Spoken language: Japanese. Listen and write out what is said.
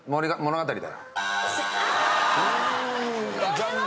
残念。